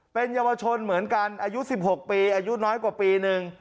เป็นเยาวชนเหมือนกันอายุ๑๖ปีอายุน้อยกว่าปีนึง